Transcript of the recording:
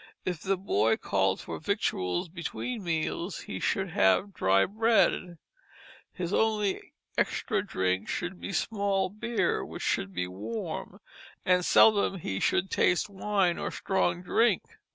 If the boy called for victuals between meals, he should have dry bread. His only extra drink should be small beer, which should be warm; and seldom he should taste wine or strong drink.